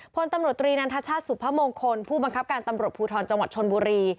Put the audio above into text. พลตำรวจตรีนันทชาติสุพมงคลผู้บังคับการตำรวจภูทรจังหวัดชนบุรี